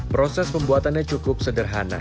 proses pembuatannya cukup sederhana